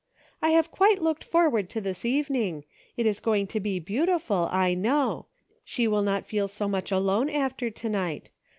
" I have quite looked forward to this evening ; it is going to be beautiful, I know ; she will not feel so much alone after to night.